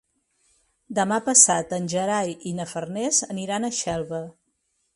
Demà passat en Gerai i na Farners aniran a Xelva.